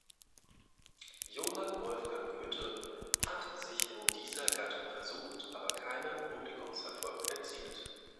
Johann Wolfgang Goethe hat sich in dieser Gattung versucht, aber keine Publikumserfolg erzielt.